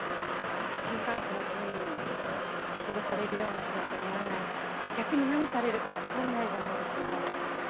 週刊誌の記事につぶされるような人だと思えないし逆に何されるか分からないじゃないですか。